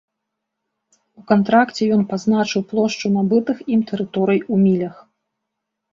У кантракце ён пазначыў плошчу набытых ім тэрыторый у мілях.